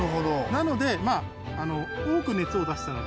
なので。